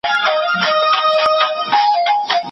تر دوکتورا وروسته باید نور نوي کتابونه هم ولیکل سي.